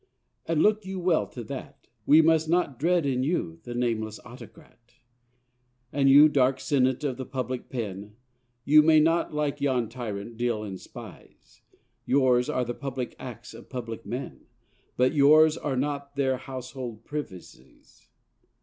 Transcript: and look you well to that We must not dread in you the nameless autocrat. And you, dark Senate of the public pen, You may not, like yon tyrant, deal in spies. Yours are the public acts of public men, But yours are not their household privacies.